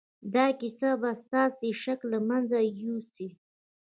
دا کیسه به ستاسې شک له منځه یوسي